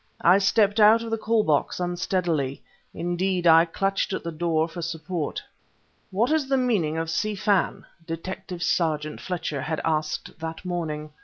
I stepped out of the call box unsteadily. Indeed, I clutched at the door for support. "What is the meaning of Si Fan?" Detective sergeant Fletcher had asked that morning.